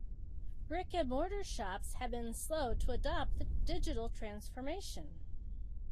Brick and mortar shops have been slow to adopt digital transformation.